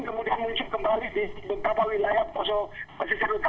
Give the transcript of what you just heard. kemudian muncul kembali di beberapa wilayah poso pesisir utara